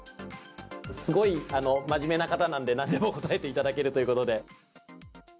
すごい真面目な方なんで、なんでも答えていただけるということで。